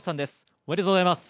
おめでとうございます。